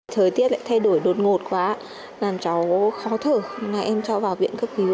thời tiết lại thay đổi đột ngột quá làm cháu khó thở mà em cho vào viện cấp cứu